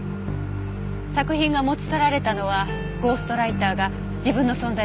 作品が持ち去られたのはゴーストライターが自分の存在を隠すため。